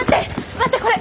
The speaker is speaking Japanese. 待ってこれ。